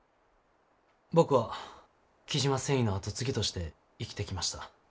僕は雉真繊維の後継ぎとして生きてきました。